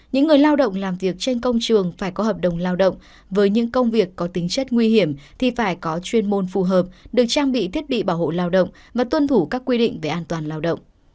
những người lao động làm việc trên công trường phải có hợp đồng lao động với những công việc có tính chất nguy hiểm thì phải có chuyên môn phù hợp được trang bị thiết bị bảo hộ lao động và tuân thủ các quy định về an toàn lao động